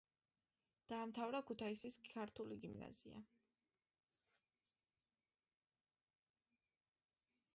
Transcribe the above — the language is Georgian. დაამთავრა ქუთაისის ქართული გიმნაზია.